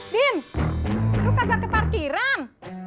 din lu kagak ke parkiran